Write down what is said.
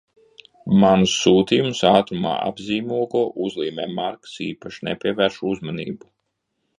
Manus sūtījumus ātrumā apzīmogo, uzlīmē markas, īpaši nepievērš uzmanību.